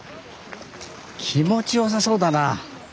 気持ちよさそうだなあ！